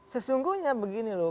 sesungguhnya begini loh